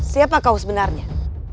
siapa kau sebenarnya